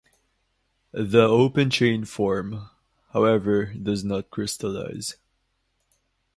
The open-chain form, however, does not crystallize.